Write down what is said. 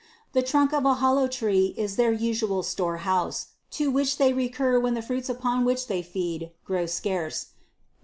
The trunk of a hollow tree is their usual store house, to which they recur when the fruits upon which they feed grow scarce ; they know how to dis 20.